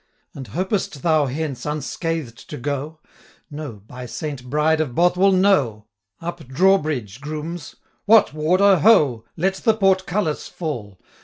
And hopest thou hence unscathed to go? No, by Saint Bride of Bothwell, no! 435 Up drawbridge, grooms what, Warder, ho! Let the portcullis fall.'